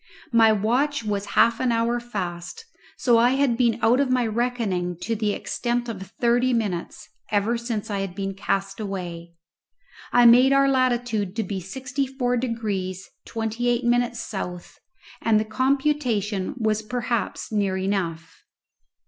My watch was half an hour fast, so I had been out of my reckoning to the extent of thirty minutes ever since I had been cast away. I made our latitude to be sixty four degrees twenty eight minutes south, and the computation was perhaps near enough.